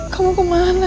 kamu kemana sih nak